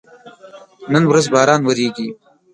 نن ورځ باران وریږي